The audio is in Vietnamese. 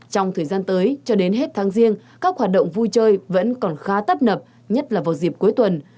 trong thời gian tới cho đến hết tháng riêng các hoạt động vui chơi vẫn còn khá tấp nập nhất là vào dịp cuối tuần